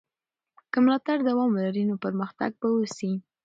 که ملاتړ دوام ولري نو پرمختګ به وسي.